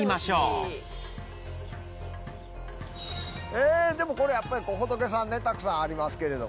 えぇでもこれやっぱり仏さんたくさんありますけれど。